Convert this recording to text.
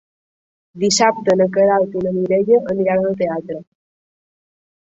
Dissabte na Queralt i na Mireia aniran al teatre.